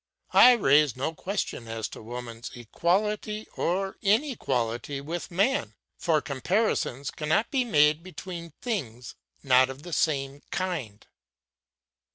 I raise no question as to woman's equality or inequality with man, for comparisons cannot be made between things not of the same kind.